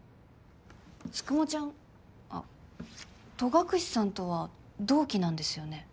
つくもちゃんあっ戸隠さんとは同期なんですよね。